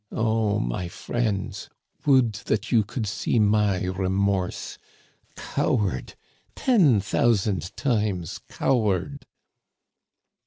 Oh, my friends, would that you could see my remorse ! Coward, ten thousand times coward